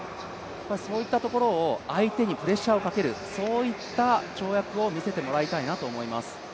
そういったところを、相手にプレッシャーをかける跳躍を見せてもらいたいなと思います。